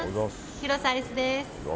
広瀬アリスです。